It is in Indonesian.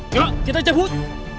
yuk kita cabut